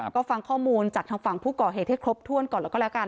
ก็ฟังข้อมูลจากทางฝั่งผู้ก่อเหตุให้ครบถ้วนก่อนแล้วก็แล้วกัน